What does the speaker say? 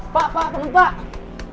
pak pak temen temen